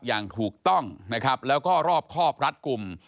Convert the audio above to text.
อย่างถูกต้องนะครับแล้วก็รอบครอบรัดกลุ่ม